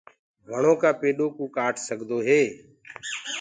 وڻو ڪآ پيڏو ڪو ڪآٽ سگھو هوندو هي۔